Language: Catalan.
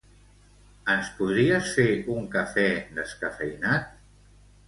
Ens podries fer un cafè descafeïnat?